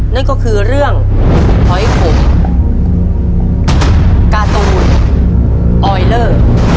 นั่นก็คือเรื่องหอยขมการ์ตูนออยเลอร์